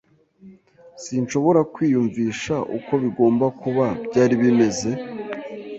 Sinshobora kwiyumvisha uko bigomba kuba byari bimeze.